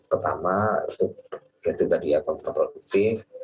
pertama itu tidak diakui kontrol produktif